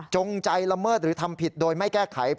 จงใจละเมิดหรือทำผิดโดยไม่แก้ไข